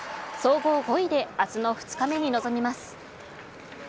総合５位で明日の２日目に臨みます。